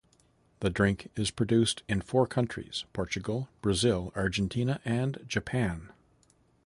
The drink is produced in four countries, Portugal, Brazil, Argentina, and Japan.